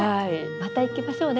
また行きましょうね